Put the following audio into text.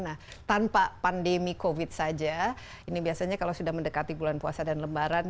nah tanpa pandemi covid saja ini biasanya kalau sudah mendekati bulan puasa dan lebaran